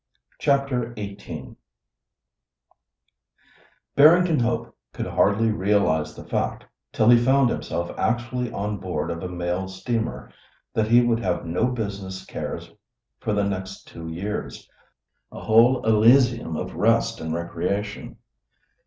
CHAPTER XVIII Barrington Hope could hardly realise the fact, till he found himself actually on board of a mail steamer, that he would have no business cares for the next two years—a whole elysium of rest and recreation.